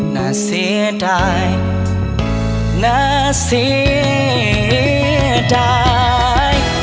น่าเสียดายน่าเสียใจ